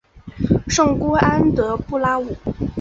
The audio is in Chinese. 圣茹安德布拉武。